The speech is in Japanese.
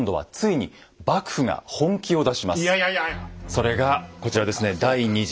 それがこちらですね。